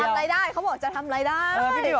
จะทำอะไรได้เขาบอกจะทำอะไรได้